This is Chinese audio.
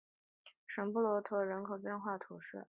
勒佩什罗人口变化图示